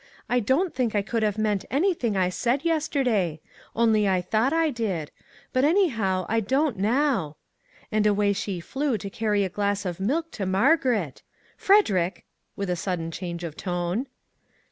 I don't think I could have meant anything I said yesterday; only I thought I did; but, anyhow, I don't now ;' and away she flew to carry a glass of milk to Margaret. Frederick !" with a sud den change of tone.